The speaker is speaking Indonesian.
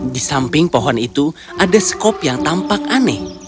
di samping pohon itu ada skop yang tampak aneh